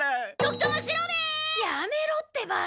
やめろってば。